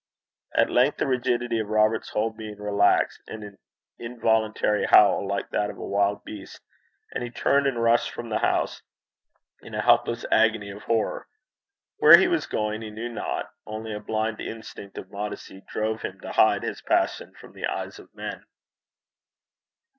At length the rigidity of Robert's whole being relaxed in an involuntary howl like that of a wild beast, and he turned and rushed from the house in a helpless agony of horror. Where he was going he knew not, only a blind instinct of modesty drove him to hide his passion from the eyes of men.